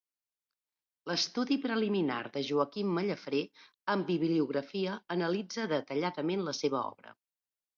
L'estudi preliminar de Joaquim Mallafrè, amb bibliografia, analitza detalladament la seva obra.